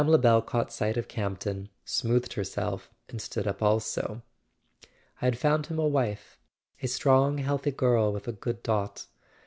Lebel caught sight of Campton, smoothed herself and stood up also. " I had found him a wife—a strong healthy girl with a good dot.